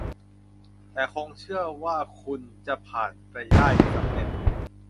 แต่จงเชื่อว่าคุณจะผ่านด่านไปได้สำเร็จ